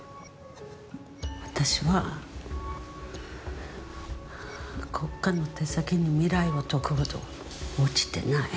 私は国家の手先に未来を説くほど落ちてない。